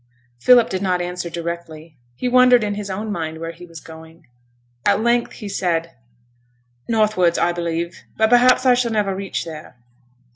Philip did not answer directly. He wondered in his own mind where he was going. At length he said, 'Northwards, I believe. But perhaps I shall never reach there.'